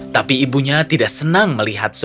tapi ibunya tidak senang melihat